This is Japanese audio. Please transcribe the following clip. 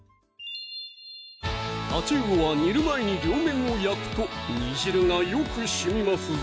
たちうおは煮る前に両面を焼くと煮汁がよくしみますぞ